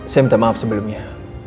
saya minta maaf sebelumnya